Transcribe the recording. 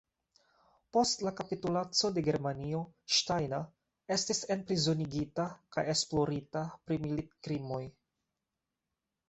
Post la kapitulaco de Germanio, Steiner estis enprizonigita kaj esplorita pri militkrimoj.